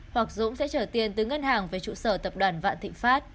hoặc dũng sẽ trở tiền từ ngân hàng về trụ sở tập đoàn vạn thịnh pháp